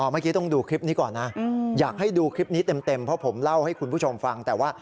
อ๋อเมื่อกี้ต้องดูคลิปนี้ก่อนนะ